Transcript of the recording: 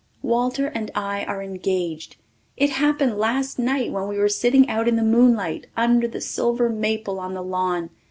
Walter and I are engaged. It happened last night when we were sitting out in the moonlight under the silver maple on the lawn.